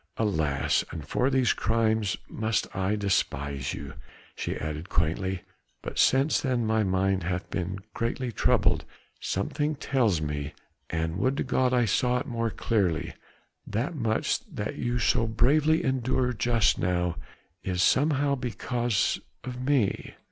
"Alas! And for these crimes must I despise you," she added quaintly. "But since then my mind hath been greatly troubled. Something tells me and would to God I saw it all more clearly that much that you so bravely endure just now, is somehow because of me.